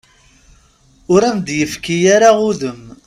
Ur am-d-yefki ara udem.